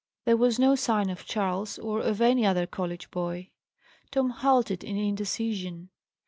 There was no sign of Charles, or of any other college boy. Tom halted in indecision.